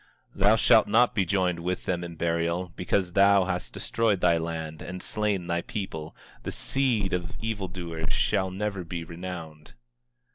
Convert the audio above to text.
24:20 Thou shalt not be joined with them in burial, because thou hast destroyed thy land and slain thy people; the seed of evil doers shall never be renowned.